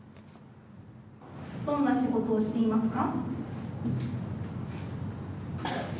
どんな仕事をしていますか？